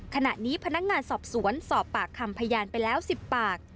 ขณะนี้พนักงานสอบสวนสอบปากคำพยานไปแล้ว๑๐ปาก